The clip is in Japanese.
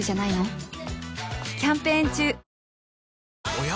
おや？